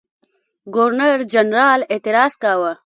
ګورنرجنرال اعتراض کاوه.